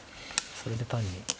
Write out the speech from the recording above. それで単に。